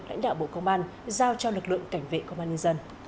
lãnh đạo bộ công an giao cho lực lượng cảnh vệ công an nhân dân